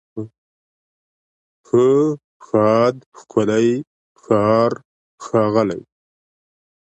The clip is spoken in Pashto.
ښه، ښاد، ښکلی، ښار، ښاغلی